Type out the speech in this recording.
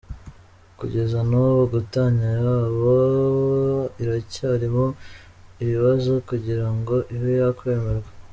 Kugeza n’ubu, gatanya y’abo iracyarimo ibibazo kugira ngo ibe yakwemerwa.